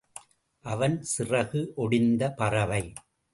அவன் சிறகு ஒடிந்த பறவை.